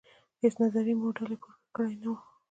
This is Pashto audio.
هیڅ نظري موډل یې پور کړې نه وه.